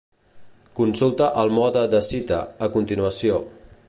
Consulta el "Mode de cita" a continuació.